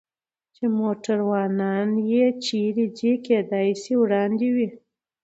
چې موټروانان یې چېرې دي؟ کېدای شي وړاندې وي.